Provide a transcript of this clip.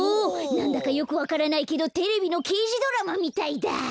なんだかよくわからないけどテレビのけいじドラマみたいだ。